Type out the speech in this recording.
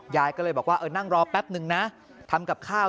ยายก็เลยบอกว่านั่งรอแปบหนึ่งนะ